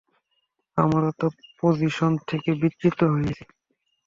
আমরা তো পজিশন থেকে বিচ্যুত হয়ে গেছি।